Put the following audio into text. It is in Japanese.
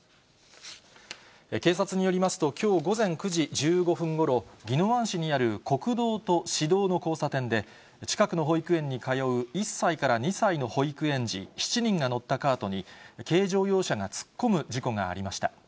警察によりますと、きょう午前９時１５分ごろ、宜野湾市にある国道と市道の交差点で、近くの保育園に通う１歳から２歳の保育園児７人が乗ったカートに、軽乗用車が突っ込む事故がありました。